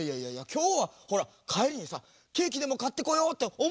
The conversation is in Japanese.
きょうはほらかえりにさケーキでもかってこようっておもってたんだから。